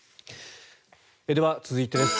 では、続いてです。